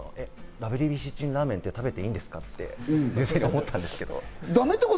ＷＢＣ中にラーメン食べていいんですか？って思ったんですけど。